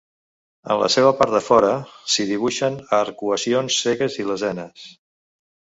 En la seva part de fora s'hi dibuixen arcuacions cegues i lesenes.